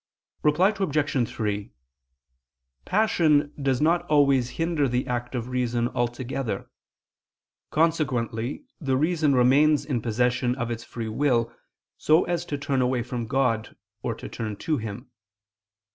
Reply Obj. 3: Passion does not always hinder the act of reason altogether: consequently the reason remains in possession of its free will, so as to turn away from God, or turn to Him.